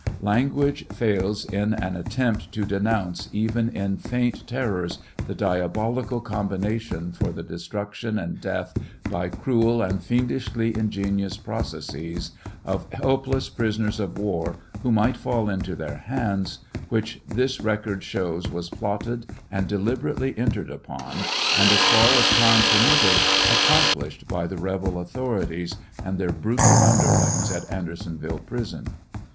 Language fails in an attempt to denounce, even in faint terrors, the diabolical combination for the destruction and death, by cruel and fiendishly ingenious processes, of helpless prisoners of war who might fall into their hands, which this record shows was plotted and deliberately entered upon, and, as far as time permitted, accomplished by the rebel authorities and their brutal underlings at Andersonville prison.